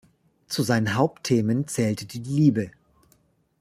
Zu seinen Hauptthemen zählte die Liebe.